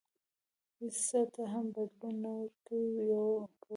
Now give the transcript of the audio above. هېڅ څه ته هم بدلون نه ورکوي پوه شوې!.